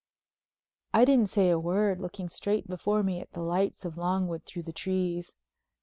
I didn't say a word, looking straight before me at the lights of Longwood through the trees.